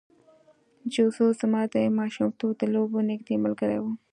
جوزف زما د ماشومتوب د لوبو نږدې ملګری و